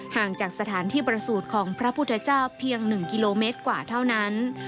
ห่างจากสถานที่ประสูจน์ของพระพุทธเจ้าเพียง๑กิโลเมตรกว่าเท่านั้น